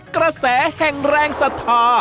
กระแสแห่งแรงศรัทธา